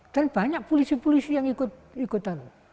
dan banyak polisi polisi yang ikutan